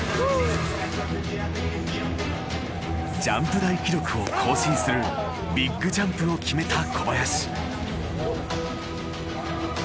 ジャンプ台記録を更新するビッグジャンプを決めた小林。